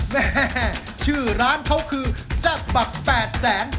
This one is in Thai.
แม่ชื่อร้านเขาคือแซ่บัก๘แสน